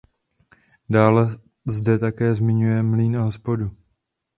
Dále zde také zmiňuje mlýn a hospodu.